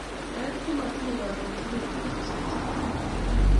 Meet komatinye kalotunet, tuitos ak chi age tugul.